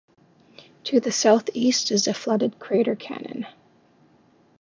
To the southeast is the flooded crater Cannon.